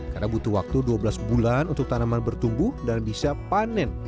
karena butuh waktu dua belas bulan untuk tanaman bertumbuh dan bisa panen